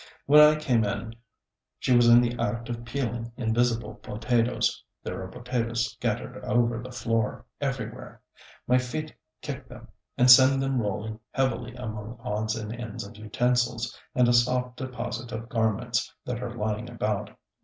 When I came in she was in the act of peeling invisible potatoes; there are potatoes scattered over the floor, everywhere. My feet kick them and send them rolling heavily among odds and ends of utensils and a soft deposit of garments that are lying about.